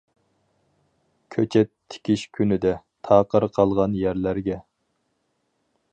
كۆچەت تىكىش كۈنىدە، تاقىر قالغان يەرلەرگە.